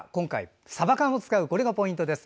さば缶を使うのが今回、ポイントです。